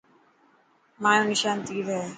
مايو نشان تير هي.